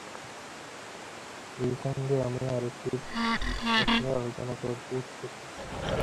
সে গত দুই দিন বাড়িতে বলেছে তার সঙ্গে অশালীন আচরণের কথা।